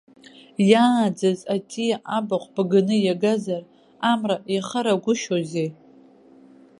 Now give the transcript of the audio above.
Иааӡаз аҵиаа абахә бганы иагазар, амра иахарагәышьоузеи!